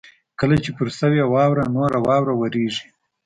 کله چې پر شوې واوره نوره واوره ورېږي